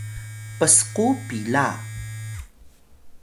psku pila